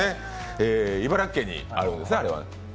茨城県にあるんですね、あれは。